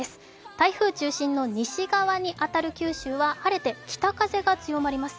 台風中心の西側に当たる九州は晴れて北風が強まります。